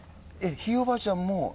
ひいおばあちゃんも。